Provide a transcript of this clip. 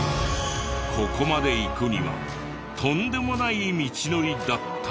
ここまで行くにはとんでもない道のりだった！